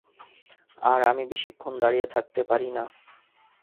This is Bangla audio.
আর আমি বেশিক্ষণ দাঁড়িয়ে থাকতে পারি না।